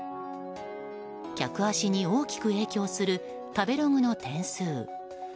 客足に大きく影響する食べログの点数。